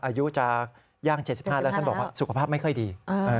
อายุจะย่าง๗๕แล้วท่านบอกว่าสุขภาพไม่ค่อยดี